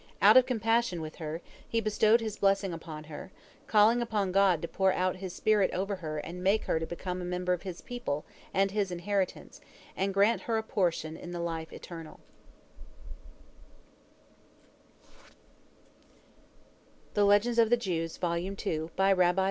Out of compassion with her, he bestowed his blessing upon her, calling upon God to pour out His spirit over her and make her to become a member of His people and His inheritance, and grant her a portion in the life eternal.